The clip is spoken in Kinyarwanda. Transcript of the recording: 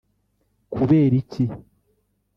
Kubera iki